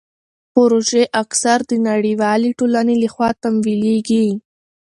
پروژې اکثر د نړیوالې ټولنې لخوا تمویلیږي.